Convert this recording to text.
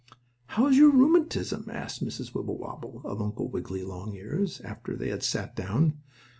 "How is your rheumatism?" asked Mrs. Wibblewobble of Uncle Wiggily Longears, after they had sat down.